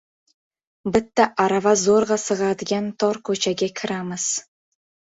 Bitta arava zo‘rg‘a sig‘adigan tor ko‘chaga kiramiz.